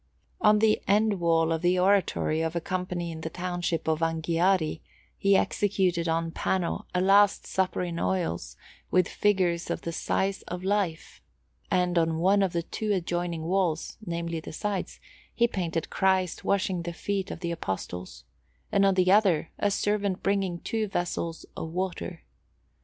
On the end wall of the Oratory of a Company in the township of Anghiari, he executed on panel a Last Supper in oils, with figures of the size of life; and on one of the two adjoining walls (namely, the sides) he painted Christ washing the feet of the Apostles, and on the other a servant bringing two vessels of water.